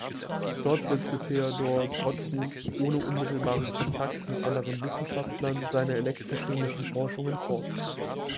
Dort setzte Theodor Grotthuß ohne unmittelbaren Kontakt mit anderen Wissenschaftlern seine elektrochemischen Forschungen fort.